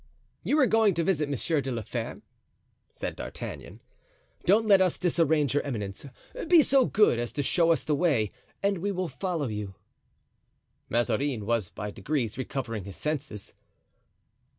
"You were going to visit Monsieur de la Fere?" said D'Artagnan. "Don't let us disarrange your eminence. Be so good as to show us the way and we will follow you." Mazarin was by degrees recovering his senses.